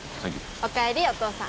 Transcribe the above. お帰りお父さん